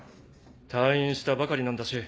退院したばかりなんだし。